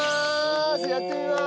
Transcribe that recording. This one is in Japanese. やってみます！